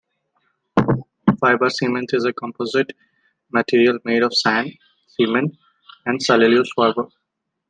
Fiber cement is a composite material made of sand, cement and cellulose fibers.